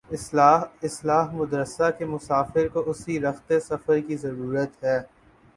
اصلاح مدرسہ کے مسافر کو اسی رخت سفر کی ضرورت ہے۔